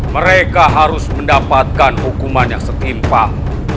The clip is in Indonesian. mereka harus mendapatkan hukuman yang setimpal